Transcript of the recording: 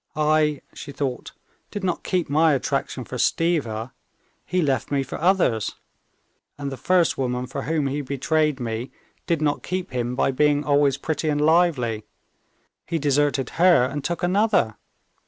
"I," she thought, "did not keep my attraction for Stiva; he left me for others, and the first woman for whom he betrayed me did not keep him by being always pretty and lively. He deserted her and took another.